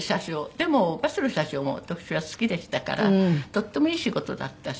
でもバスの車掌も私は好きでしたからとてもいい仕事だったし。